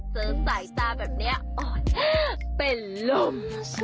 เจอสายตาแบบเนี้ยเป็นลม